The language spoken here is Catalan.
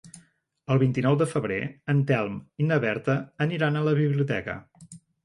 El vint-i-nou de febrer en Telm i na Berta aniran a la biblioteca.